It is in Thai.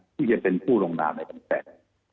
ที่จะเป็นผู้ลงนามในกรรมศาสตร์